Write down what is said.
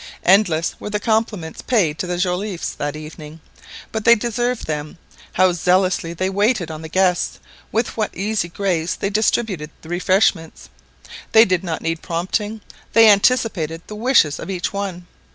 Endless were the compliments paid to the Joliffes that evening, but they deserved them; how zealously they waited on the guests, with what easy grace they distributed the refreshments! They did not need prompting, they anticipated the wishes of each one.